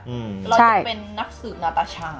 เรายังเป็นนักสืบนาตาชา